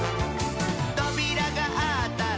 「とびらがあったら」